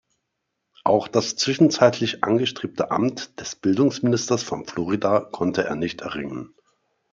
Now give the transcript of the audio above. Auch das zwischenzeitlich angestrebte Amt des Bildungsministers von Florida konnte er nicht erringen.